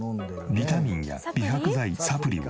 ビタミンや美白剤サプリを。